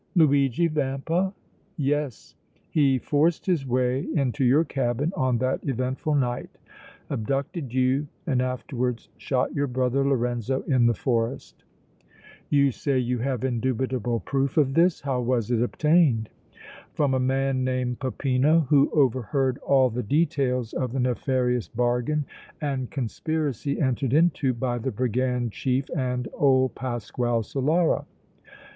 "Luigi Vampa?" "Yes. He forced his way into your cabin on that eventful night, abducted you and afterwards shot your brother Lorenzo in the forest." "You say you have indubitable proof of this. How was it obtained?" "From a man named Peppino, who overheard all the details of the nefarious bargain and conspiracy entered into by the brigand chief and old Pasquale Solara."